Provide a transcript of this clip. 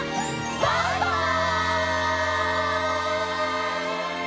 バイバイ！